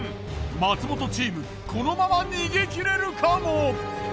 松本チームこのまま逃げ切れるかも。